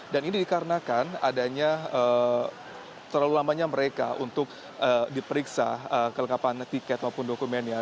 dan ini dikarenakan adanya terlalu lamanya mereka untuk diperiksa kelengkapan tiket maupun dokumennya